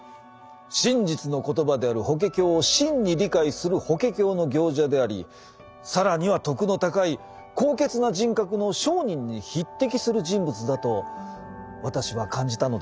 真実の言葉である「法華経」を真に理解する「法華経」の行者であり更には徳の高い高潔な人格の聖人に匹敵する人物だと私は感じたのです。